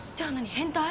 変態？